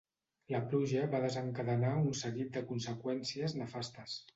La pluja va desencadenar un seguit de conseqüències nefastes.